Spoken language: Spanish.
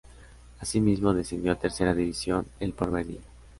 Asimismo descendió a Tercera División El Porvenir.